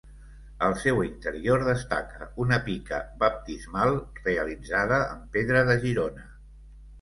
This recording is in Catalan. Al seu interior destaca una pica baptismal realitzada en pedra de Girona.